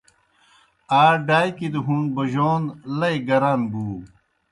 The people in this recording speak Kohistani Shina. آ ڈاکیْ دہ ہُوݨ بوجون لئی گران بُو۔